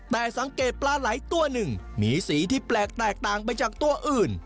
แต่สังเกตปลาไหลตัวหนึ่งมีสีที่แปลกแตกต่างไปจากตัวอื่น